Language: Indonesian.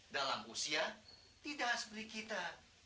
dalam usia tidak seperti kita